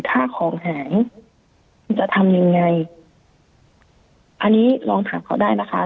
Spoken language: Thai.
ถ้าของหายคุณจะทำยังไงอันนี้ลองถามเขาได้นะคะ